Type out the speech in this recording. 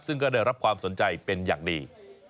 ซึ่งก็ได้รับความสนใจเป็นอย่างดี